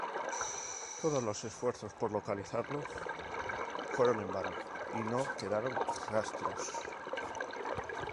Todos los esfuerzos por localizarlo fueron en vano y no quedaron rastros.